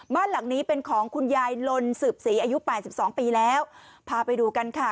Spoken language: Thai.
บ้านหลังนี้เป็นของคุณยายลนสืบศรีอายุแปดสิบสองปีแล้วพาไปดูกันค่ะ